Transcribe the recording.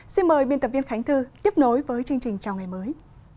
xin mời biên tập viên khánh thư tiếp nối với chương trình chào ngày mới